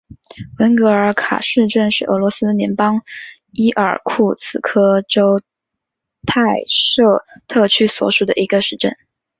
文格尔卡市镇是俄罗斯联邦伊尔库茨克州泰舍特区所属的一个市镇。